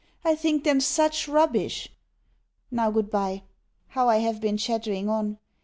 I think them SUCH rubbish! Now goodbye. How I have been chattering on!